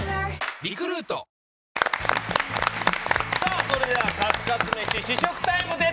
それではカツカツ飯試食タイムです！